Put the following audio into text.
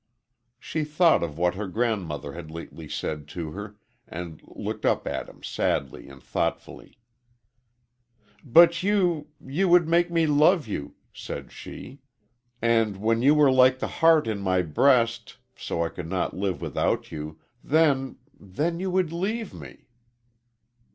She thought of what her grandmother had lately said to her and looked up at him sadly and thoughtfully. "But you you would make me love you," said she, "and when you were like the heart in my breast so I could not live without you then then you would leave me."